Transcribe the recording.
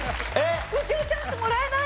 右京チャンスもらえない？